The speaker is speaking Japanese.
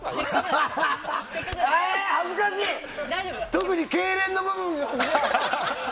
特にけいれんの部分が恥ずかしい。